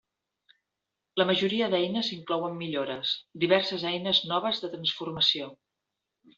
La majoria d'eines inclouen millores, diverses eines noves de transformació.